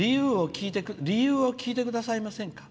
理由を聞いてくださいませんか。